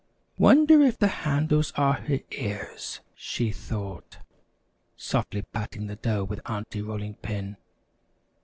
] "Wonder if the handles are her ears," she thought, softly patting the dough with Aunty Rolling Pin.